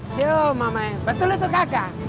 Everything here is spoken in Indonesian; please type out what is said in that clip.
siom mama yang betul itu kagak